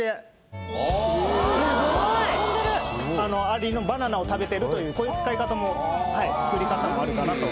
アリがバナナを食べてるというこういう使い方も作り方もあるかなと。